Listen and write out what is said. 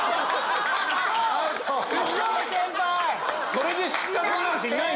それで失格になる人いない！